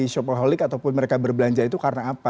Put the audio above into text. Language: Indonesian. shopaholic ataupun mereka berbelanja itu karena apa